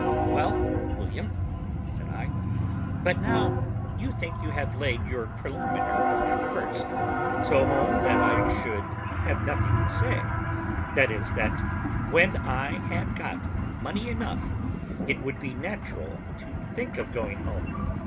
"Well, William," said I, "but now you think you have laid your preliminary at first so home that I should have nothing to say; that is, that when I had got money enough, it would be natural to think of going home.